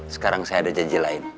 sekarang saya ada janji lain